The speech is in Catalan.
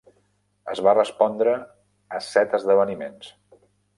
Es va respondre a set esdeveniments.